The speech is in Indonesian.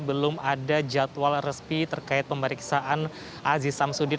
belum ada jadwal resmi terkait pemeriksaan aziz samsudin